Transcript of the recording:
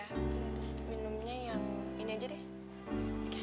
terus minumnya yang ini aja deh